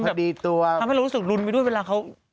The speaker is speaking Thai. พอดีตัวทำให้เรารู้สึกรุนไปด้วยเวลาเขา